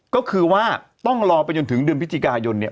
ก็คือว่าต้องรอไปจนถึงเดือนพฤศจิกายนเนี่ย